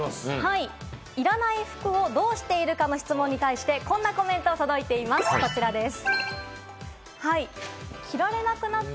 いらない服をどうしてるかの質問に対して、こんなコメントが届いています、こちらです。